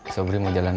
sobri mau jalan